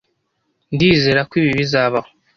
Ndizera ko ibi bizabaho.